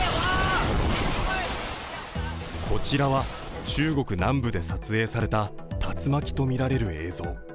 こちらは中国南部で撮影された竜巻とみられる映像。